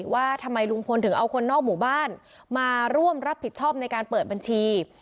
ว่าทำไมลุงพลถึงเอาคนนอกหมู่บ้านมาร่วมรับผิดชอบในการเปิดบัญชี